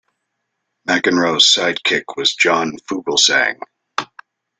McEnroe's sidekick was John Fugelsang.